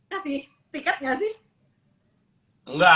kasih tiket nggak sih